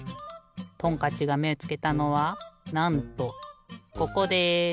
トンカッチがめつけたのはなんとここです。